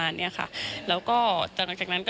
อ่าเดี๋ยวฟองดูนะครับไม่เคยพูดนะครับ